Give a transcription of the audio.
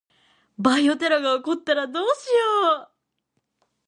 バイオテロが起こったらどうしよう。